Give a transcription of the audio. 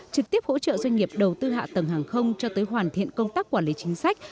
trực tiếp hỗ trợ doanh nghiệp đầu tư hạ tầng hàng không cho tới hoàn thiện công tác quản lý chính sách